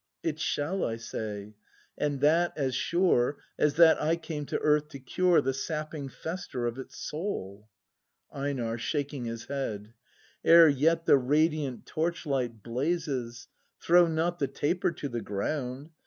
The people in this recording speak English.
It shall, I say, and that as sure As that I came to earth to cure The sapping fester of its soul. EiNAR. [Shaking his head.] Ere yet the radiant torchlight blazes. Throw not the taper to the ground